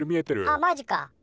あマジか。